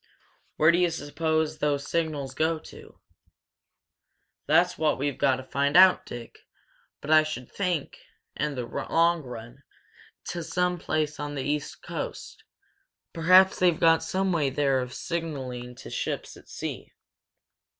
"Where do you suppose those signals go to?" "That's what we've got to find out, Dick! But I should think, in the long run, to someplace on the East coast. Perhaps they've got some way there of signalling to ships at sea.